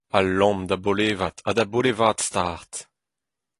Ha Lom da bolevat ha da bolevat start.